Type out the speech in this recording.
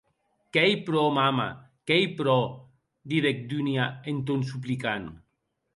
Qu’ei pro, mama, qu’ei pro, didec Dunia en ton suplicant.